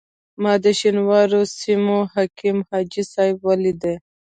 ما د شینوارو سیمې حکیم حاجي صاحب ولیدی.